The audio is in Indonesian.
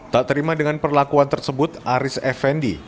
tak terima dengan perlakuan tersebut aris effendi